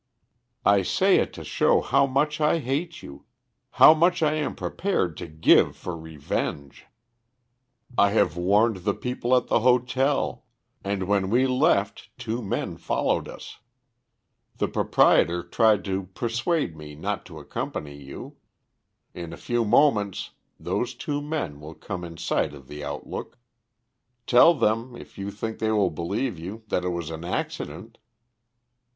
"I say it to show how much I hate you how much I am prepared to give for revenge. I have warned the people at the hotel, and when we left two men followed us. The proprietor tried to persuade me not to accompany you. In a few moments those two men will come in sight of the Outlook. Tell them, if you think they will believe you, that it was an accident."